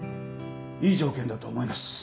いい条件だと思います。